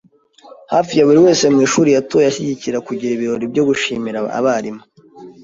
Hafi ya buri wese mu ishuri yatoye ashyigikira kugira ibirori byo gushimira abarimu.